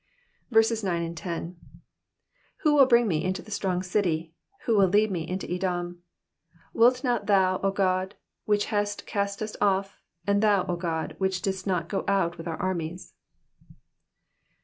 9 Who will bring me into the strong city? who will lead me into Edom ? ID Wilt not thou, O God which hadst cast us off? and thou O God, which didst not go out with our armies